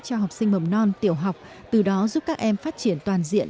cho học sinh mầm non tiểu học từ đó giúp các em phát triển toàn diện